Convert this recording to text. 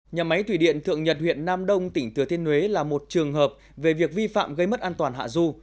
nhà máy thủy điện thượng nhật huyện nam đông tỉnh thừa thiên huế là một trường hợp về việc vi phạm gây mất an toàn hạ du